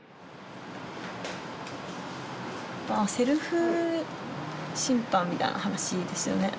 ああセルフ審判みたいな話ですよね。